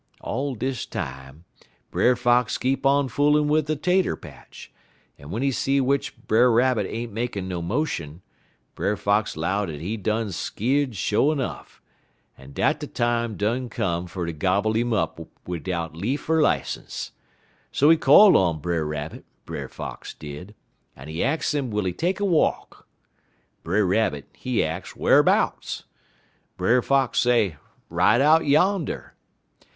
All dis time Brer Fox keep on foolin' wid de tater patch, en w'en he see w'ich Brer Rabbit ain't makin' no motion, Brer Fox 'low dat he done skeer'd sho' 'nuff, en dat de time done come fer ter gobble him up bidout lief er license. So he call on Brer Rabbit, Brer Fox did, en he ax 'im will he take a walk. Brer Rabbit, he ax wharbouts. Brer Fox say, right out yander.